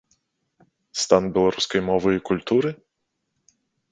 Стан беларускай мовы і культуры?